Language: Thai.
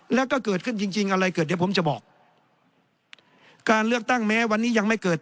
แล้วก็เกิดขึ้นจริงจริงอะไรเกิดเดี๋ยวผมจะบอกการเลือกตั้งแม้วันนี้ยังไม่เกิด